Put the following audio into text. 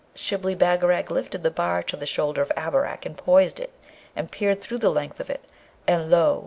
Shibli Bagarag lifted the bar to the shoulder of Abarak, and poised it, and peered through the length of it, and lo!